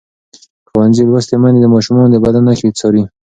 ښوونځې لوستې میندې د ماشومانو د بدن نښې څاري.